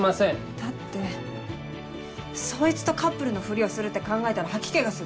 だってそいつとカップルのふりをするって考えたら吐き気がする。